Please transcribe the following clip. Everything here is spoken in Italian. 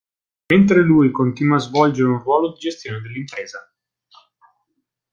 Mentre lui continua a svolgere un ruolo di gestione dell'impresa.